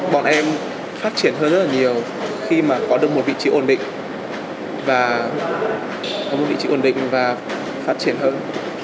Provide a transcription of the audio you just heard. bọn em phát triển hơn rất là nhiều khi mà có được một vị trí ổn định và phát triển hơn